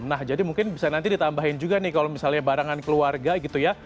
nah jadi mungkin bisa nanti ditambahin juga nih kalau misalnya barangan keluarga gitu ya